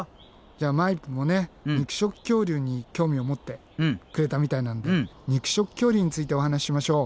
じゃあマイプもね肉食恐竜に興味を持ってくれたみたいなんで肉食恐竜についてお話ししましょう。